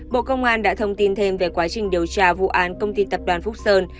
bộ công an đã thông tin thêm về quá trình điều tra vụ án công ty tập đoàn phúc sơn